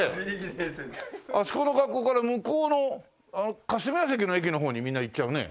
あそこの学校から向こうの霞ケ関の駅の方にみんな行っちゃうね。